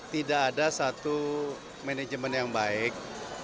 tidak ada satu manajemen yang baik